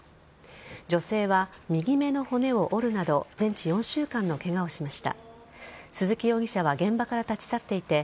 女性は右目の骨を折るなど全治４週間のケガをしました。